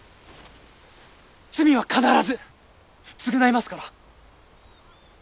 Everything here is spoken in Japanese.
罪は必ず償いますから。